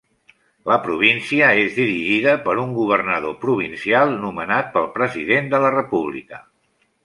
La província és dirigida per un governador provincial nomenat pel President de la República.